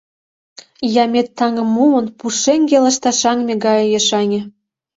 Ямет, таҥым муын, пушеҥге лышташаҥме гае ешаҥе.